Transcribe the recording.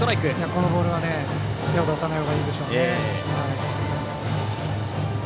このボールには手を出さないほうがいいでしょう。